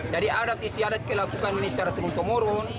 jadi adat istiadat kita lakukan ini secara turun temurun